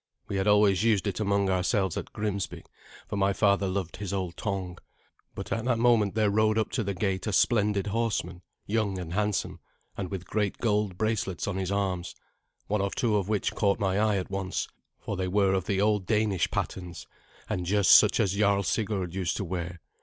We had always used it among ourselves at Grimsby, for my father loved his old tongue. But at that moment there rode up to the gate a splendid horseman, young and handsome, and with great gold bracelets on his arms, one or two of which caught my eye at once, for they were of the old Danish patterns, and just such as Jarl Sigurd used to wear.